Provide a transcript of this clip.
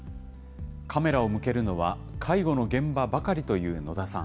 カメラを向けるのは、介護の現場ばかりという野田さん。